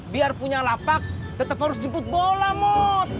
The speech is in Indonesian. biar punya lapak tetap harus jemput bola mot